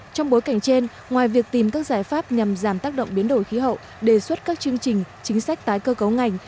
trong bối cảnh trên ngoài việc tìm các giải pháp nhằm giảm tác động biến đổi khí hậu đề xuất các chương trình chính sách tái cơ cấu ngành